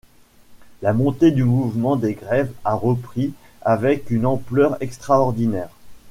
La montée du mouvement des grèves a repris avec une ampleur extraordinaire.